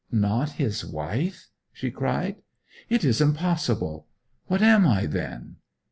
'Not his wife?' she cried. 'It is impossible. What am I, then?'